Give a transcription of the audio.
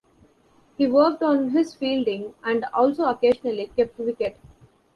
He worked on his fielding, and also occasionally kept wicket.